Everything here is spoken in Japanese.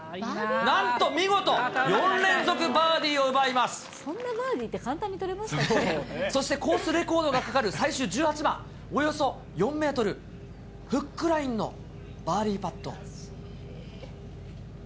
なんと見事、そんなバーディーって簡単にそしてコースレコードがかかる、最終１８番、およそ４メートル、フックラインのバーディーパット。